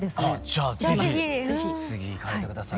じゃあ是非次行かれて下さい。